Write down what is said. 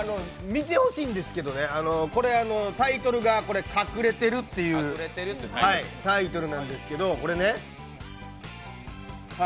見てほしいんですけどね、これ、タイトルが「隠れてる」というタイトルなんですけど。